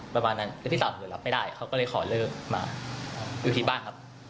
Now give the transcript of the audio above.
ประมาณนั้นคือพี่สาวหนูรับไม่ได้เขาก็เลยขอเลิกมาอยู่ที่บ้านครับ